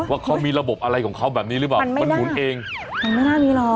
ว่าเขามีระบบอะไรของเขาแบบนี้หรือเปล่ามันหมุนเองมันไม่น่ามีหรอก